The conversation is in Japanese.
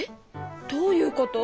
どういうこと？